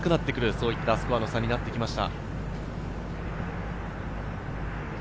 そういったスコアの差になってきました。